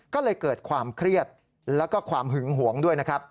ก็เลยเกิดความเครียดแล้วก็ความหึงหวงด้วยนะครับ